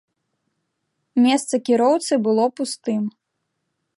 Месца кіроўцы было пустым.